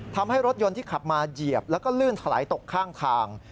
ทำให้รถยนต์ที่ขับมาเหยียบแล้วก็ลื่นถลายตกข้างทาง